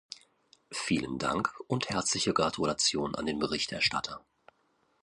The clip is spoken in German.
Vielen Dank und herzliche Gratulation an den Berichterstatter.